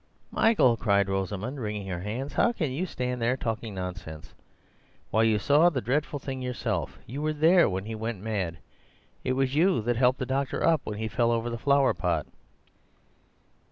"Michael," cried Rosamund, wringing her hands, "how can you stand there talking nonsense? Why, you saw the dreadful thing yourself. You were there when he went mad. It was you that helped the doctor up when he fell over the flower pot."